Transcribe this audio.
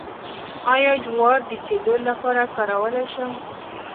آیا جوار د سیلو لپاره کارولی شم؟